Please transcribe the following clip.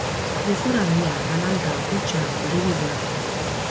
Gezur handia, galanta, hutsa, biribila.